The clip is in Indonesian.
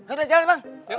udah jalan bang